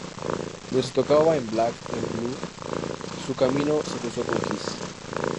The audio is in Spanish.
Mientras tocaba en Black 'N Blue su camino se cruzó con Kiss.